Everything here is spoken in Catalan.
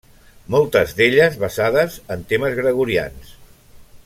Moltes d'elles basades en temes gregorians.